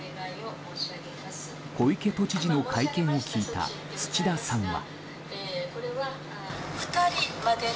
小池都知事の会見を聞いた土田さんは。